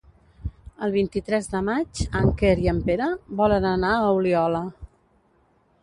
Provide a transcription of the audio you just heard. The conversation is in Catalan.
El vint-i-tres de maig en Quer i en Pere volen anar a Oliola.